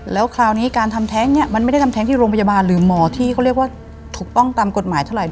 แล้วคราวนี้การทำแท้งเนี่ยมันไม่ได้ทำแท้งที่โรงพยาบาลหรือหมอที่เขาเรียกว่าถูกต้องตามกฎหมายเท่าไหร